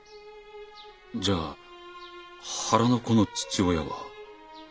じゃあ腹の子の父親は？